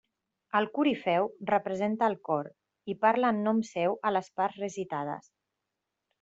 El corifeu representa al cor i parla en nom seu a les parts recitades.